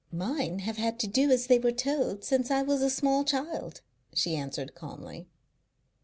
Mine have had to do as they were told since I was a small child," she answered calmly.